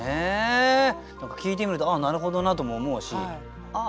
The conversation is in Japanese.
聞いてみるとあっなるほどなとも思うしああ